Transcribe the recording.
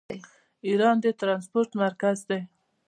ایران د ټرانسپورټ مرکز دی.